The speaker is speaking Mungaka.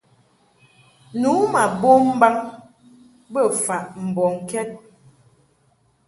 Nu ma bom mbaŋ bə faʼ mbɔŋkɛd.